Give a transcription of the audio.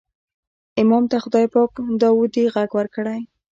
امام ته خدای پاک داودي غږ ورکړی و.